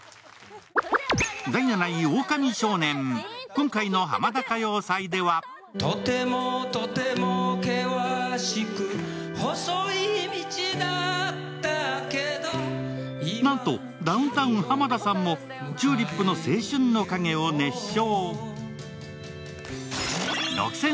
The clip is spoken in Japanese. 今回のハマダ歌謡祭ではなんと、ダウンタウン浜田さんもチューリップの「青春の影」を熱唱。